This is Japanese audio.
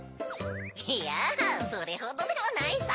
いやそれほどでもないさ！